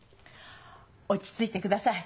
落ち着いてください。